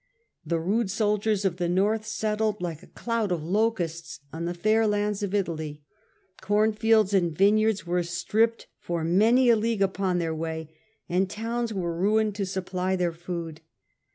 The rude soldiers of the North settled like a cloud of locusts on the fair lands of Italy; cornfields and \dneyards were stripped for many a league upon their way, and towns were ruined to supply their food.